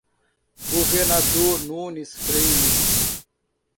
Governador Nunes Freire